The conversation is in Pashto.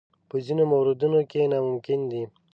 په ځینو موردونو کې ناممکن دي.